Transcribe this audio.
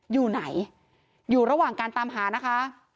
อยู่ไหนอยู่ระหว่างการตามหานะคะ